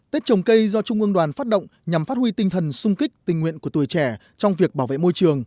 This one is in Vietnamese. tết trồng cây do trung ương đoàn phát động nhằm phát huy tinh thần sung kích tình nguyện của tuổi trẻ trong việc bảo vệ môi trường